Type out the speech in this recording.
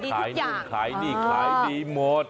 ขายดีทุกอย่างขายดีขายดีหมด